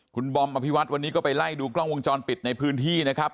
คุณบอมอภิวัตวันนี้ก็ไปไล่ดูกล้องวงจรปิดในพื้นที่นะครับ